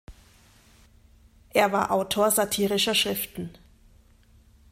Er war Autor satirischer Schriften.